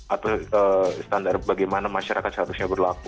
atau standar bagaimana masyarakat seharusnya berlaku